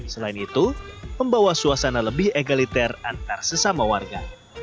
selain itu membawa suasana lebih egaliter antar sesama warga